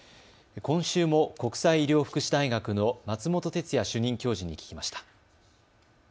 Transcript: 今週も国際医療福祉大学の松本哲哉主任教授に聞きました。